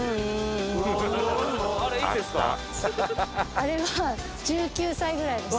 あれは１９歳ぐらいです。